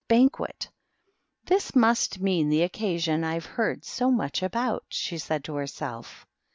BANQUKT. "This must mean the Occasion I've hearc much about," she said to herself.